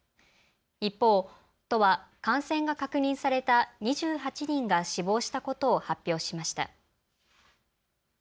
一方、都は感染が確認された２８人が死亡したことを発表しました。